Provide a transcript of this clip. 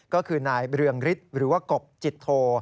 ก็คือนายเรืองฤทธิ์หรือว่ากบจิตโท